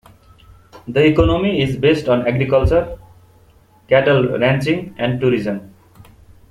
The economy is based on agriculture, cattle ranching and tourism.